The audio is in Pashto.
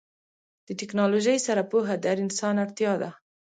د ټیکنالوژۍ سره پوهه د هر انسان اړتیا ده.